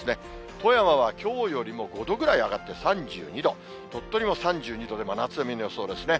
富山はきょうよりも５度ぐらい上がって３２度、鳥取も３２度で真夏日の予想ですね。